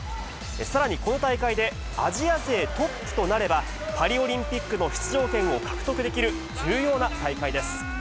さらにこの大会で、アジア勢トップとなれば、パリオリンピックの出場権を獲得できる、重要な大会です。